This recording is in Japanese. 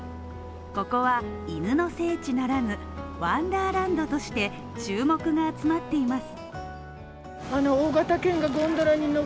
ここは犬の聖地ならぬ、ワンダーランドとして注目が集まっています。